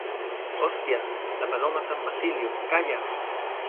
¡ hostia, la Paloma San Basilio! ¡ calla !